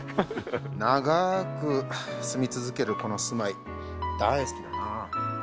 長く住み続けるこの住まい、大好きだな。